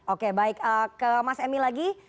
oke baik ke mas emil lagi